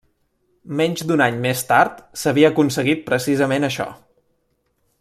Menys d'un any més tard, s'havia aconseguit precisament això.